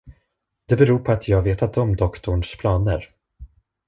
Det beror på att jag vetat om doktorns planer.